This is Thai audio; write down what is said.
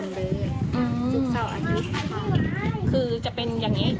มาช่วยพ่อเก็บของดึก